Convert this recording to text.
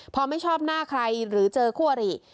พอไม่ชอบหน้าใครหรือเจอคู่อริ